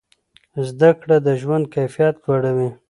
زده کړه د ژوند کیفیت لوړوي.